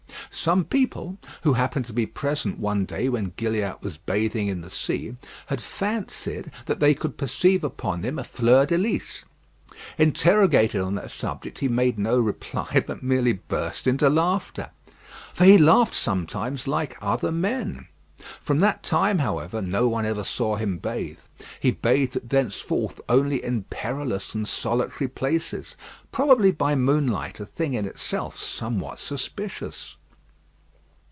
Some people, who happened to be present one day when Gilliatt was bathing in the sea, had fancied that they could perceive upon him a fleur de lys. Interrogated on that subject he made no reply, but merely burst into laughter. For he laughed sometimes like other men. From that time, however, no one ever saw him bathe: he bathed thenceforth only in perilous and solitary places; probably by moonlight: a thing in itself somewhat suspicious.